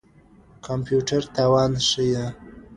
کمپيوټر تاوان ښيي.